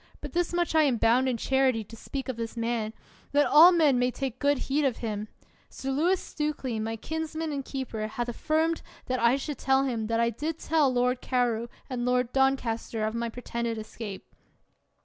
But this much I am bound in charity to speak of this man, that all men may take good heed of him ; Sir Lewis Stukely, my kinsman and 36 RALEIGH keeper, hath affirmed that I should tell him that I did tell Lord Carew and Lord Doncaster of my pretended escape.